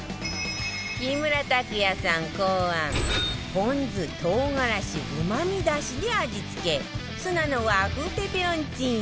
木村拓哉さん考案ぽん酢唐辛子旨味だしで味付けツナの和風ペペロンチーノ